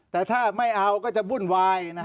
แต่ถ้าไม่เอาก็จะวุ่นวาย